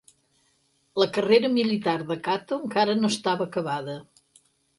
La carrera militar de Cato encara no estava acabada.